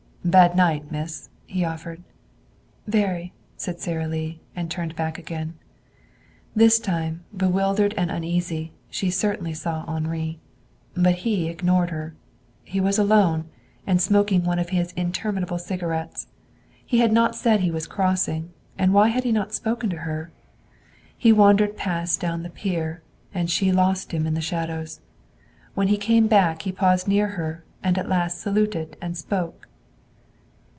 "Bad night, miss," he offered. "Very," said Sara Lee, and turned back again. This time, bewildered and uneasy, she certainly saw Henri. But he ignored her. He was alone, and smoking one of his interminable cigarettes. He had not said he was crossing, and why had he not spoken to her? He wandered past down the pier, and she lost him in the shadows. When he came back he paused near her, and at last saluted and spoke.